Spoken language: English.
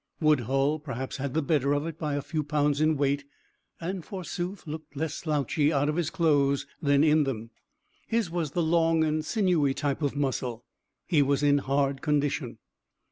Woodhull perhaps had the better of it by a few pounds in weight, and forsooth looked less slouchy out of his clothes than in them. His was the long and sinewy type of muscle. He was in hard condition.